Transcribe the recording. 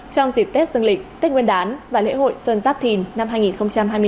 trong dịp tết dương lịch tết nguyên đán và lễ hội xuân giáp thìn năm hai nghìn hai mươi bốn